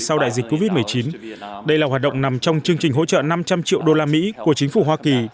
sau đại dịch covid một mươi chín đây là hoạt động nằm trong chương trình hỗ trợ năm trăm linh triệu đô la mỹ của chính phủ hoa kỳ